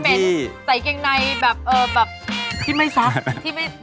ที่ไม่ซัก